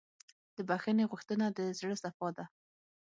د بښنې غوښتنه د زړه صفا ده.